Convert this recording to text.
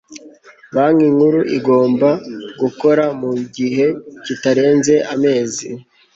banki nkuru igomba gukora mu gihe kitarenze amezi